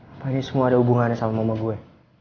apakah ini semua ada hubungannya sama mama gue